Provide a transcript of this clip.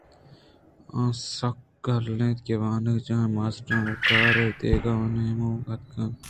آسک گل اَت کہ وانگجاہ ءِ ماسٹر گوں کارے ءِ دیگ ءِ نیمون ءَ اتکگ اَت